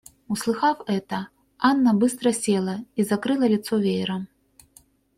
Услыхав это, Анна быстро села и закрыла лицо веером.